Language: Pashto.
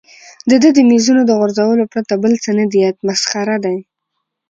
د ده د مېزونو د غورځولو پرته بل څه نه دي یاد، مسخره دی.